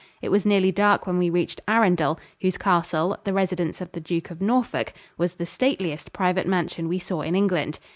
It was nearly dark when we reached Arundel, whose castle, the residence of the Duke of Norfolk, was the stateliest private mansion we saw in England.